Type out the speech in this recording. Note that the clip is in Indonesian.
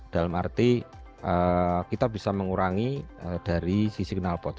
dalam arti kita bisa mengurangi dari sisi kenalpot